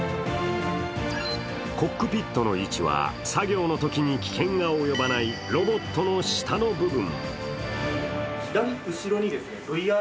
コックピットの位置は作業のときに危険が及ばないロボットの下の部分。